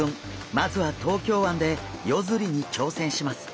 まずは東京湾で夜釣りにちょうせんします。